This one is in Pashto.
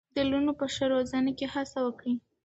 د لوڼو په ښه روزنه کې هڅه وکړئ.